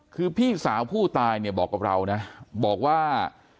คือพี่สาวผู้ตายเนี่ยบอกกับเรานะบอกว่า